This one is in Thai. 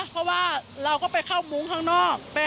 เพราะว่าเราก็ไปเข้ามุ้งข้างนอก